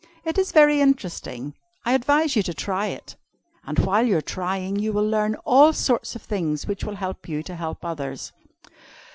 It is very interesting, I advise you to try it. And while you are trying, you will learn all sorts of things which will help you to help others."